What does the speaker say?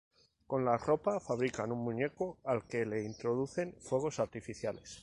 Con la ropa fabrican un muñeco al que le introducen fuegos artificiales.